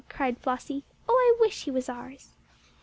cried Flossie. "Oh I wish he was ours!"